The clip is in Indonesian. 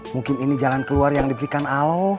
mungkin ini jalan keluar yang diberikan alo